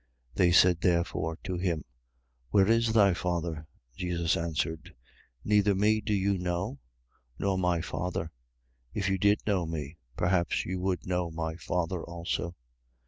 8:19. They said therefore to him: Where is thy Father? Jesus answered: Neither me do you know, nor my Father. If you did know me, perhaps you would know my Father also.